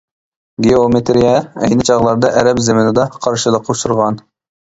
گېئومېتىرىيە ئەينى چاغلاردا ئەرەب زېمىنىدا قارشىلىققا ئۇچۇرغان.